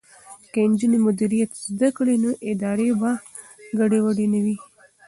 که نجونې مدیریت زده کړي نو ادارې به ګډې وډې نه وي.